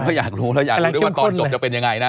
ก็อยากรู้แล้วอยากรู้ด้วยว่าตอนจบจะเป็นยังไงนะ